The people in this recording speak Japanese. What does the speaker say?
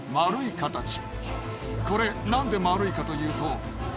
これ何で丸いかというと。